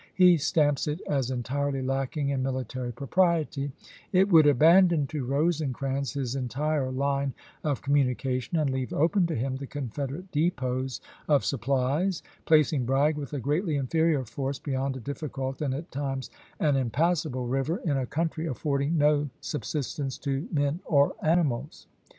He stamps it as entirely lacking in military propriety; it would abandon to Rosecrans his entire line of communica tion, and leave open to him the Confederate depots of supplies, placing Bragg, with a greatly inferior force, beyond a difficult and, at times, an impass able river, in a country affording no subsistence to men or animals.